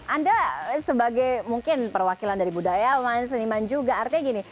anda sebagai mungkin perwakilan dari budayawan seniman juga artinya gini